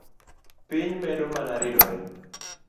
Piny medo mana ridore